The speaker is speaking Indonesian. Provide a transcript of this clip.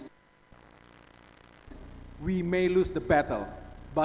kita bisa kalah di pertempuran